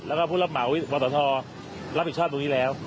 แล้วก็ผู้รับหม่าวิทย์หัวต่อทอร์รับผิดชอบตรงนี้แล้ว